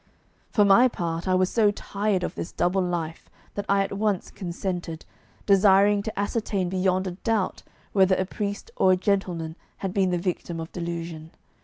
For my part, I was so tired of this double life that I at once consented, desiring to ascertain beyond a doubt whether a priest or a gentleman had been the victim of delusion.